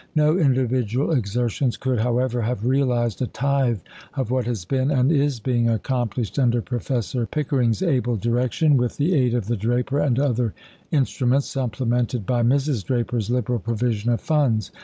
No individual exertions could, however, have realized a tithe of what has been and is being accomplished under Professor Pickering's able direction, with the aid of the Draper and other instruments, supplemented by Mrs. Draper's liberal provision of funds.